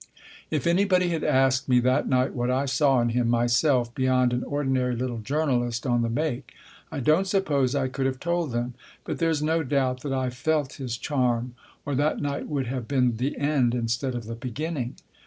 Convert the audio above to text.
If anybody had asked me that night what I saw in him myself beyond an ordinary little journalist " on the make," I don't suppose I could have told them. But there's no doubt that I felt his charm, or that night would have been the end instead of the beginning.